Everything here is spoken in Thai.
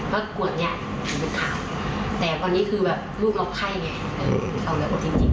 เมื่อกว่านี้แต่ตอนนี้คือแบบลูกมันไข้ไงเออเอาแบบจริงจริง